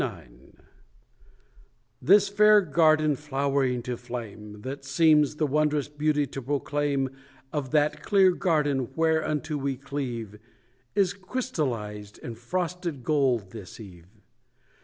XXIX This fair garden flowering to flame, That seems the wondrous beauty to proclaim Of that clear garden whereunto we cleave, Is crystallised in frosted gold this eve.